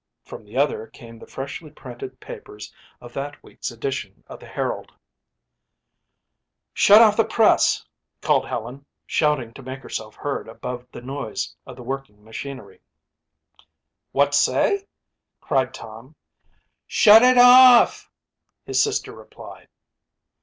From the other came the freshly printed papers of that week's edition of the Herald. "Shut off the press," called Helen, shouting to make herself heard above the noise of the working machinery. "What say?" cried Tom. "Shut it off," his sister replied.